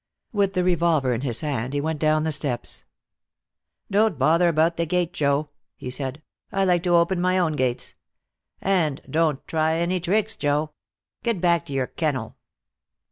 With the revolver in his hand, he went down the steps. "Don't bother about the gate, Joe," he said. "I like to open my own gates. And don't try any tricks, Joe. Get back to your kennel."